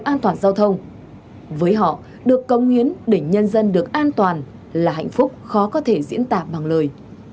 an toàn giao thông với họ được công hiến để nhân dân được an toàn là hạnh phúc khó có thể diễn tả bằng lời